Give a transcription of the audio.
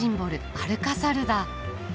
アルカサルだ。